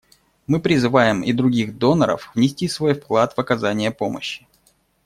Мы призываем и других доноров внести свой вклад в оказание помощи.